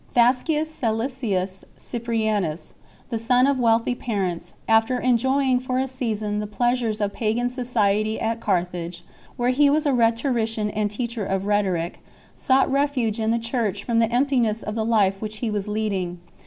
Thascius Csecilius Cyprianus, the son of wealthy parents, after enjoying for a season the pleasures of pagan society at Carthage, where he was a rhetorician and teacher of rhetoric, sought refuge in the Church frorrTthe emptiness of the life which he was leading 3